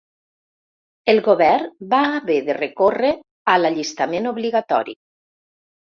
El Govern va haver de recórrer a l'allistament obligatori